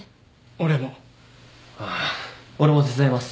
俺も手伝います。